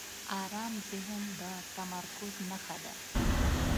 آرام ذهن د تمرکز نښه ده.